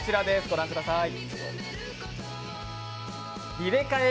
ご覧ください。